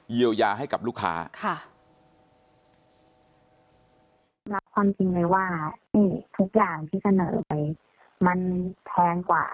เยียวยาให้กับลูกค้า